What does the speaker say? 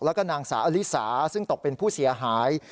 แล้วก็นางสาวอลิสาซึ่งตกเป็นผู้เสียหาย